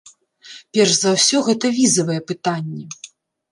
Перш за ўсё гэта візавае пытанне.